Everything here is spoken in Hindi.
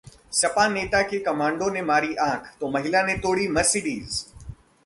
सपा नेता के कमांडो ने मारी आंख, तो महिला ने तोड़ी मर्सिडीज